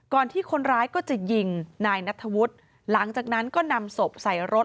ที่คนร้ายก็จะยิงนายนัทธวุฒิหลังจากนั้นก็นำศพใส่รถ